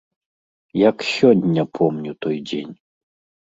Як сёння помню той дзень.